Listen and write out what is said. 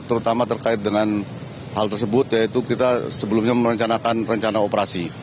terutama terkait dengan hal tersebut yaitu kita sebelumnya merencanakan rencana operasi